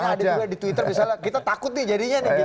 ada juga di twitter misalnya kita takut nih jadinya nih